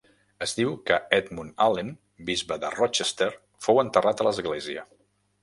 Es diu que Edmund Allen, bisbe de Rochester, fou enterrat a l'església.